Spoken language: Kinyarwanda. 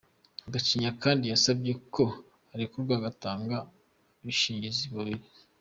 Gacinya kandi yasabye ko arekurwa atanga abishingizi babiri.